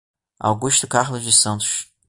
Augusto Carlos dos Santos